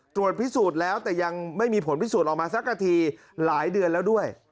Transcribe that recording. ตรวจพิสูจน์แล้วแต่ยังไม่มีผลพิสูจน์ออกมาสักทีหลายเดือนแล้วด้วย